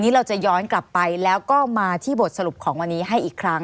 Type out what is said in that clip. เราจะย้อนกลับไปแล้วก็มาที่บทสรุปของวันนี้ให้อีกครั้ง